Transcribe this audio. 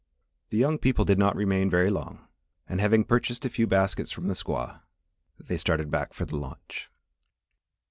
The young people did not remain very long, and having purchased a few baskets from the squaw, they started back for the launch.